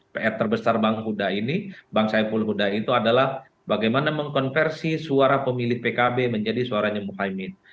pr terbesar bank huda ini bank saiful huda itu adalah bagaimana mengkonversi suara pemilih pkb menjadi suara pemilih pemilih